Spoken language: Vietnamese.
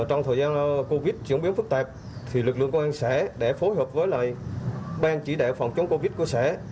trong thời gian covid chuyển biến phức tạp lực lượng công an xã để phối hợp với ban chỉ đạo phòng chống covid của xã